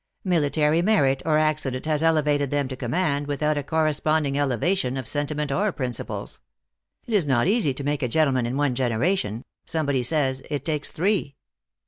Military merit or accident has elevated them to command without a cor responding elevation of sentiment or principles. It is not easy to make a gentleman in one generation : somebody says, it takes three."